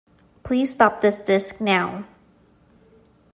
Please stop this disc now.